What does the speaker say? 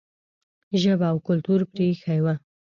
ژبه او کلتور پرې ایښی و.